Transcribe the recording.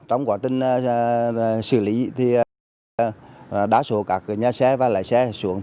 trong quá trình xử lý thì đa số các nhà xe và lãi xe